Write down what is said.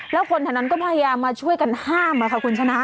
แล้วคนแถวนั้นก็พยายามมาช่วยกันห้ามค่ะคุณชนะ